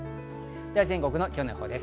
全国の今日の予報です。